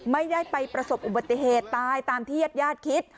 ไม่ได้ไปประสบอุบัติเหตุตายตามที่ญาติญาติคิด